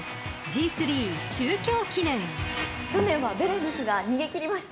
去年はベレヌスが逃げ切りましたよね。